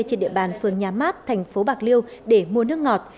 trên địa bàn phường nhà mát tp bạc liêu để mua nước ngọt